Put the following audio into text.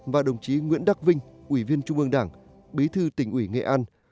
và đồng chí nguyễn đắc vinh ủy viên trung ương đảng bí thư tỉnh ủy nghệ an